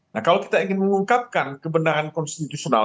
nah kalau kita ingin mengungkapkan kebenaran konstitusional